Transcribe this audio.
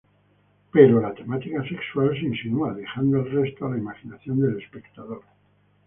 Pero, la temática sexual se insinúa, dejando el resto a la imaginación del espectador.